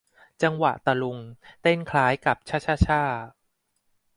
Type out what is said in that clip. จังหวะตะลุง เต้นคล้ายกับชะชะช่า